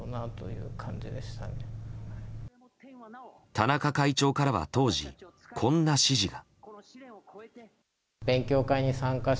田中会長からは当時、こんな指示が。